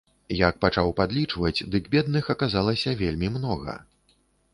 Як пачаў падлічваць, дык бедных аказалася вельмі многа.